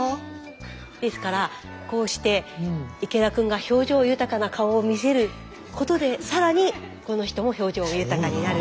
ですからこうして池田くんが表情豊かな顔を見せることで更にこの人も表情豊かになる。